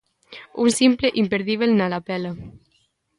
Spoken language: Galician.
Un simple imperdíbel na lapela.